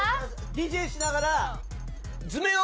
ＤＪしながら。